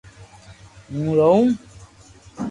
ھون رووُ